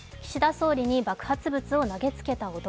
総理に爆発物を投げつけた男。